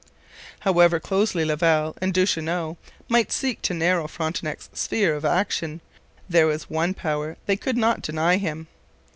However closely Laval and Duchesneau might seek to narrow Frontenac's sphere of action, there was one power they could not deny him.